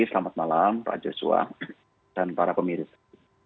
selamat malam pak joshua dan para pemirsa